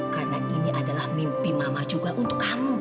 karena ini adalah mimpi mama juga untuk kamu